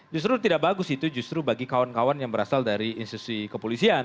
justru tidak bagus itu justru bagi kawan kawan yang berasal dari institusi kepolisian